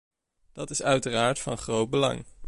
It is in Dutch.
Dat is uiteraard van groot belang.